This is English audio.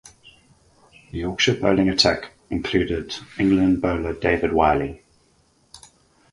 The Yorkshire bowling attack included England bowler David Willey.